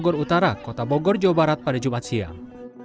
bogor utara kota bogor jawa barat pada jumat siang